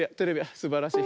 すばらしい。